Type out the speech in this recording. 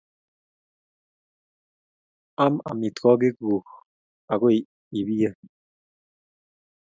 Am amitwogik chekuk agoi I piyony